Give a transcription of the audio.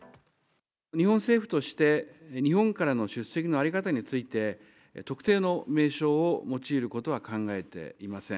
日本政府として、日本からの出席の在り方について、特定の名称を用いることは考えていません。